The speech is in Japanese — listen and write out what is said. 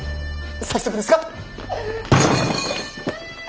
早速ですが。